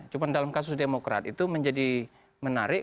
cuma dalam kasus demokrat itu menjadi menarik